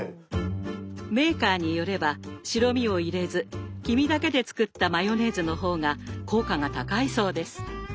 メーカーによれば白身を入れず黄身だけで作ったマヨネーズの方が効果が高いそうです。